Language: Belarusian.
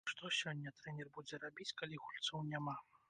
Што сёння трэнер будзе рабіць, калі гульцоў няма?